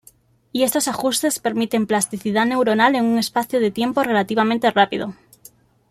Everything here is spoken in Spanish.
Y estos ajustes permiten plasticidad neuronal en un espacio de tiempo relativamente rápido.